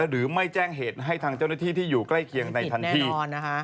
หรือไม่แจ้งเหตุให้ทางเจ้าหน้าที่ที่อยู่ใกล้เคียงในทันที